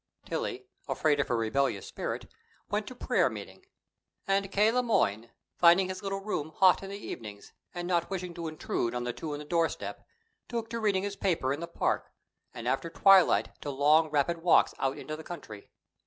Tillie, afraid of her rebellious spirit, went to prayer meeting. And K. Le Moyne, finding his little room hot in the evenings and not wishing to intrude on the two on the doorstep, took to reading his paper in the park, and after twilight to long, rapid walks out into the country.